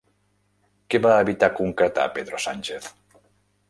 Què va evitar concretar Pedro Sánchez?